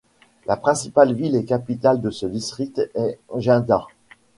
La principale ville et capitale de ce district est Ghinda.